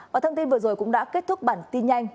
và thông tin vừa rồi cũng đã kết thúc bản tin nhanh